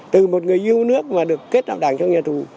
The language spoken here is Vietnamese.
từ một người yêu nước mà được kết nạp đảng trong nhà tù